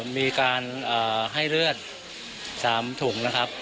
มีการให้เลือด๓ถุงนะครับ